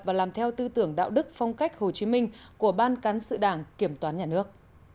và làm theo tư tưởng đạo đức phong cách hồ chí minh của ban cán sự đảng kiểm toán nhà nước